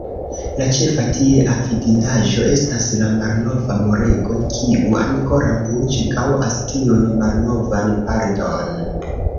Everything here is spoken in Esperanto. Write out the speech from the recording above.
La ĉefa tiea vidindaĵo estas la malnova Murego, kiu ankoraŭ ĉirkaŭas tiun malnovan parton.